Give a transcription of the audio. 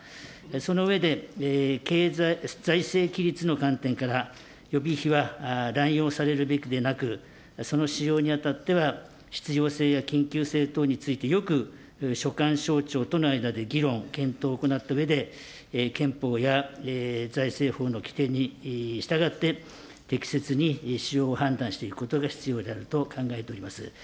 その上で、財政規律の観点から、予備費は乱用されるべきではなく、その使用にあたっては、必要性や緊急性等についてよく所管省庁との間で議論、検討を行ったうえで、憲法や財政法の規定に従って、適切に使用を判断していくことが必要であると考えております。